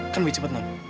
kan bicara sama bapaknya